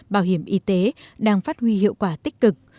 bảo hiểm y tế đang phát huy hiệu quả tích cực